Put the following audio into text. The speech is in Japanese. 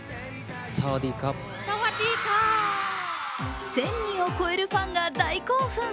１０００人を超えるファンが大興奮。